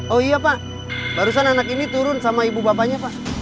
oh iya pak barusan anak ini turun sama ibu bapaknya pak